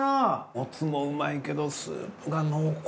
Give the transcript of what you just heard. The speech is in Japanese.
モツもうまいけどスープが濃厚。